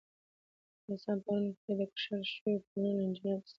د افغانستان په غرونو کې د کښل شویو تونلونو انجینري د ستاینې وړ ده.